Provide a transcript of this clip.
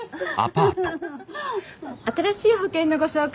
新しい保険のご紹介です。